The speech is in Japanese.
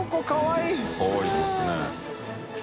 かわいいですね。